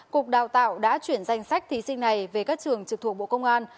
cục đào tạo đã chuyển danh sách thí sinh này về các trường trực thuộc bộ công an